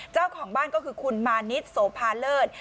เจ้าของบ้านก็คือคุณมานิดโสภาเลิศ